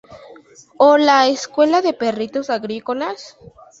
O la Escuela de Peritos Agrícolas.